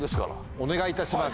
お願いいたします。